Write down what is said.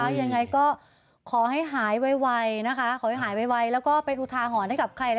ยังไงก็ขอให้หายไวนะคะขอให้หายไวแล้วก็เป็นอุทาหรณ์ให้กับใคร